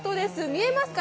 見えますか？